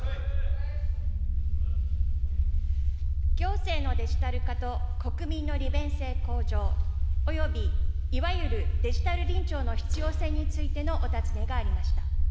行政のデジタル化と国民の利便性向上、およびいわゆるデジタル臨調の必要性についてのお尋ねがありました。